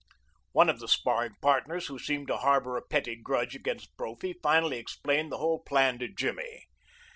One of the sparring partners who seemed to harbor a petty grudge against Brophy finally explained the whole plan to Jimmy.